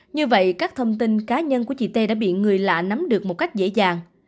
như vậy các thông tin cá nhân của chị t đã bị người lạ nắm được một cách dễ dàng